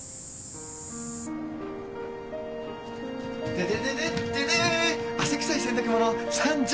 「テテテテッテテー」汗臭い洗濯物参上。